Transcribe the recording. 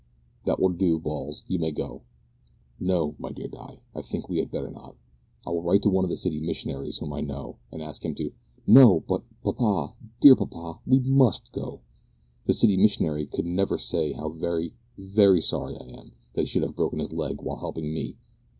"That will do, Balls, you may go. No, my dear Di, I think we had better not. I will write to one of the city missionaries whom I know, and ask him to " "No, but, papa dear papa, we must go. The city missionary could never say how very, very sorry I am that he should have broken his leg while helping me.